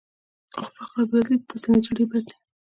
خو فقر او بېوزلۍ ته تسلیمېدل ډېر بد دي